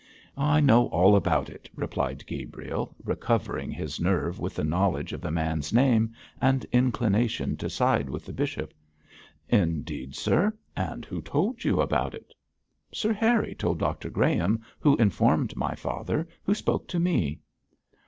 'I know all about it,' replied Gabriel, recovering his nerve with the knowledge of the man's name and inclination to side with the bishop. 'Indeed, sir! And who told you about it?' 'Sir Harry told Dr Graham, who informed my father, who spoke to me.'